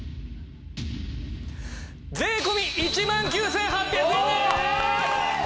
税込１万９８００円です！